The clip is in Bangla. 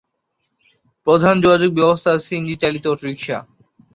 প্রধান যোগাযোগ ব্যবস্থা সিএনজি চালিত অটোরিক্সা।